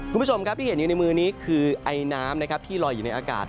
คุณผู้ชมครับที่เห็นอยู่ในมือนี้คือไอน้ำนะครับที่ลอยอยู่ในอากาศ